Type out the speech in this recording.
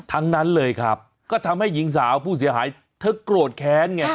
ทั้งนั้นเลยครับก็ทำให้หญิงสาวผู้เสียหายเธอโกรธแค้นไง